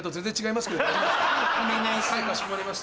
お願いします。